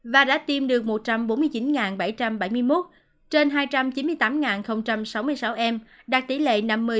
và đã tiêm được một trăm bốn mươi chín bảy trăm bảy mươi một trên hai trăm chín mươi tám sáu mươi sáu em đạt tỷ lệ năm mươi